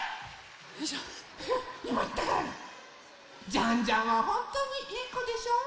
ジャンジャンはほんとにいいこでしょ。